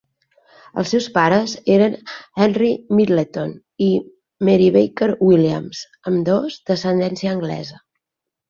Els seus pares eren Henry Middleton i Mary Baker Williams, ambdós d'ascendència anglesa.